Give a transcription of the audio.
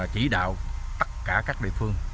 chỉ đạo tất cả các địa phương